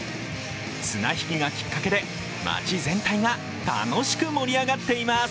綱引きがきっかけで街全体が楽しく盛り上がっています。